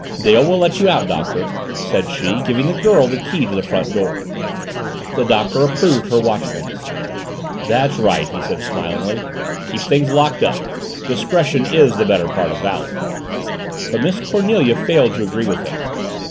"Dale will let you out, Doctor," said she, giving the girl the key to the front door. The Doctor approved her watchfulness. "That's right," he said smilingly. "Keep things locked up. Discretion is the better part of valor!" But Miss Cornelia failed to agree with him.